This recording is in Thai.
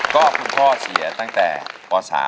ก็คุณพ่อเสียตั้งแต่ป๓